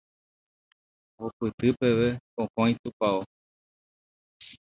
ohupyty peve pokõi tupão